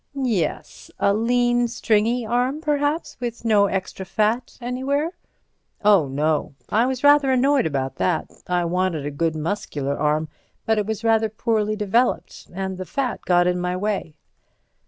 "Yes. A lean, stringy arm, perhaps, with no extra fat anywhere?" "Oh, no—I was rather annoyed about that. I wanted a good, muscular arm, but it was rather poorly developed and the fat got in my way."